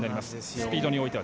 スピードにおいては。